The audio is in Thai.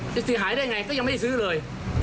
เสียหายได้ไงก็ยังไม่ได้ซื้อเลย